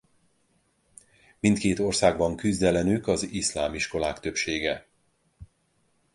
Mindkét országban küzd ellenük az iszlám iskolák többsége.